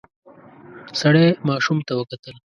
سړی ماشوم ته وکتل.